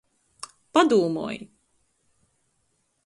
Padūmoj!